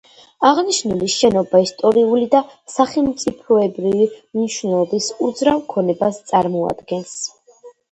აღნიშნული შენობა ისტორიული და სახელმწიფოებრივი მნიშვნელობის უძრავ ქონებას წარმოადგენს.